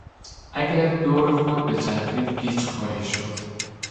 اگر دور خود بچرخی گیج خواهی شد.